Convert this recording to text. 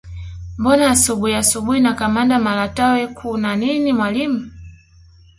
Mbona asubuhi asubuhi na kamanda Malatwe kuna nini mwalimu